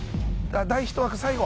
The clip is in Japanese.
第１幕最後。